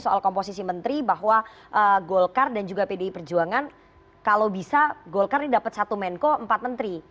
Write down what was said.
soal komposisi menteri bahwa golkar dan juga pdi perjuangan kalau bisa golkar ini dapat satu menko empat menteri